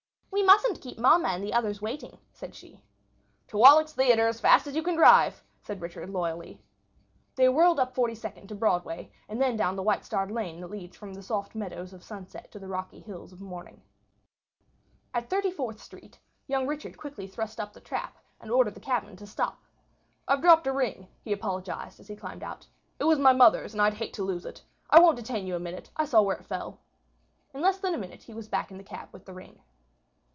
"We mustn't keep mamma and the others waiting," said she. "To Wallack's Theatre as fast as you can drive!" said Richard loyally. They whirled up Forty second to Broadway, and then down the white starred lane that leads from the soft meadows of sunset to the rocky hills of morning. At Thirty fourth Street young Richard quickly thrust up the trap and ordered the cabman to stop. "I've dropped a ring," he apologised, as he climbed out. "It was my mother's, and I'd hate to lose it. I won't detain you a minute—I saw where it fell." In less than a minute he was back in the cab with the ring.